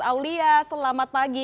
aulia selamat pagi